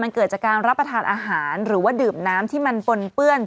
มันเกิดจากการรับประทานอาหารหรือว่าดื่มน้ำที่มันปนเปื้อน